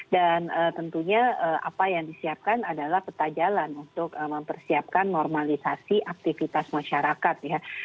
dan tentunya apa yang disiapkan adalah peta jalan untuk mempersiapkan normalisasi aktivitas masyarakat